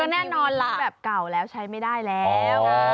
มันก็ได้แบบเก่าแล้วใช้ไม่ได้แล้ว